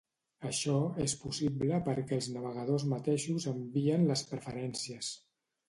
Això és possible perquè els navegadors mateixos envien les preferències.